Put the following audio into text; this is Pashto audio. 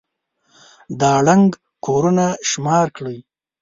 دا ړنـګ كورونه شمار كړئ.